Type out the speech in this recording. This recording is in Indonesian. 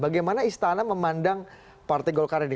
bagaimana istana memandang partai golkar ini